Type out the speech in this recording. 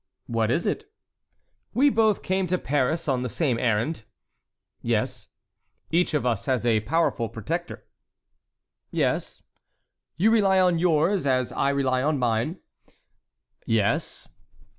"What is it?" "We both came to Paris on the same errand." "Yes." "Each of us has a powerful protector." "Yes." "You rely on yours, as I rely on mine." "Yes."